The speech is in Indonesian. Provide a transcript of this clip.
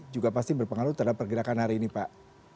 juga pasti berpengaruh terhadap pergerakan hari ini pak